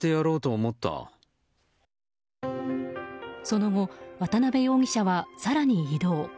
その後、渡辺容疑者は更に移動。